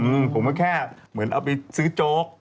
ผมก็แค่เหมือนเอาไปซื้อโจ๊ก